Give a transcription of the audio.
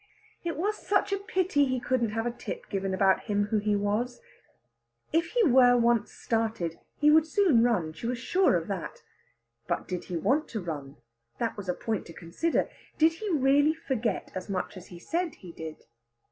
It was such a pity he couldn't have a tip given about him who he was. If he were once started, he would soon run; she was sure of that. But did he want to run? that was a point to consider. Did he really forget as much as he said he did?